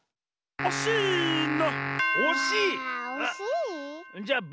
おっしの！